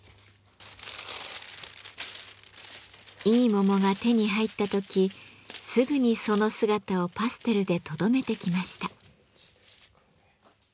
いい桃が手に入った時すぐにその姿をパステルでとどめてきました。